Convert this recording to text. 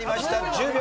１０秒。